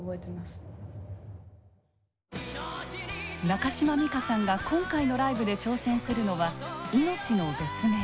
中島美嘉さんが今回のライブで挑戦するのは「命の別名」。